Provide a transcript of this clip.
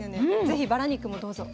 ぜひバラ肉もどうぞ。